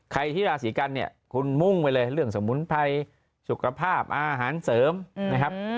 ใครที่ราศีกันเนี่ยคุณมุ่งไปเลยเรื่องสมุนไพรสุขภาพอาหารเสริมนะครับ